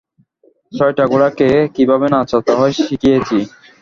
ছয়টা ঘোড়া কে কিভাবে নাচতে হয় শিখিয়েছি।